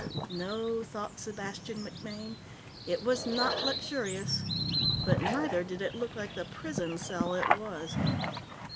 No, thought Sebastian MacMaine, it was not luxurious, but neither did it look like the prison cell it was.